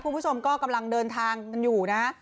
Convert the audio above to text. คุณผู้ชมก็กำลังเดินทางกันอยู่นะ